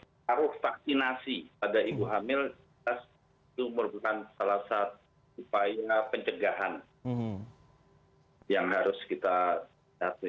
pengaruh vaksinasi pada ibu hamil itu merupakan salah satu upaya pencegahan yang harus kita hati